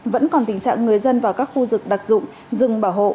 vẫn còn tình trạng người dân vào các khu rừng đặc dụng rừng bảo hộ